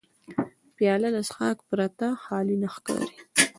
پیاله له څښاک پرته خالي نه ښکاري.